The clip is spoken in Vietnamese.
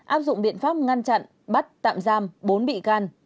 áp dụng biện pháp ngăn chặn bắt tạm giam bốn bị can